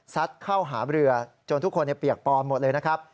เข้าหาเรือจนทุกคนเปียกปอนหมดเลยนะครับ